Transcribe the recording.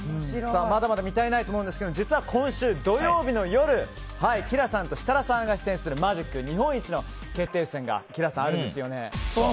まだまだ見足りないと思うんですけど実は今週土曜日の夜ＫｉＬａさんと設楽さんが出演するマジック日本一の決定戦があるんですよね。